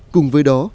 cùng với đó